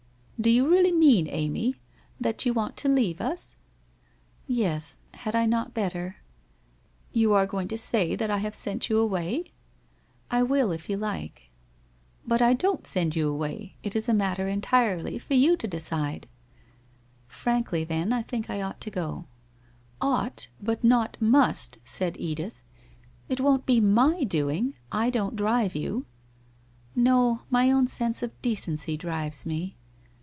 ' Do you really mean, Amy, that you want to leave us? ' 'Yes, had I not hotter?' 1 You are going to say that I have sent you away ?'* I will, if you like.' 'But I don't send you away. It is a matter entirely for you to decide/ * Frankly, then, I think I ought to go/ ' Ought, but not must,' said Edith. ' It won't be my doing. I don't drive you.' ' Xo, my own sense of decency drives me.'